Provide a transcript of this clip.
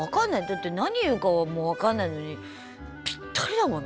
だって何言うかも分かんないのにピッタリだもんね。